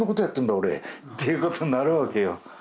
俺っていうことになるわけよ。